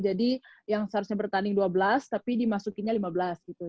jadi yang seharusnya bertanding dua belas tapi dimasukinnya lima belas gitu